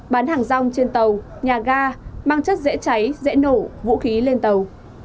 bán hàng rong trên tàu nhà ga mang chất dễ cháy dễ nổ vũ khí lên tàu